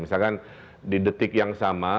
misalkan di detik yang sama